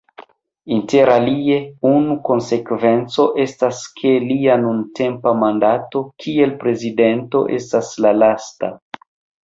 Interalie unu konsekvenco estas, ke lia nuntempa mandato kiel prezidento estas la lasta.